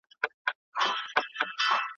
اکثر له دین او له وقاره سره لوبي کوي